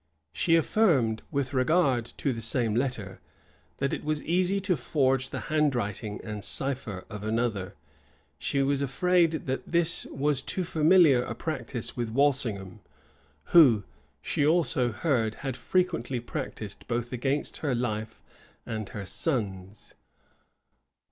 She affirmed, with regard to the same letter, that it was easy to forge the handwriting and cipher of another; she was afraid that this was too familiar a practice with Walsingham, who, she also heard, had frequently practised both against her life and her son's.